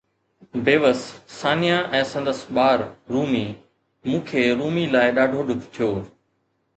بيوس ثانيه ۽ سندس ٻار رومي، مون کي رومي لاءِ ڏاڍو ڏک ٿيو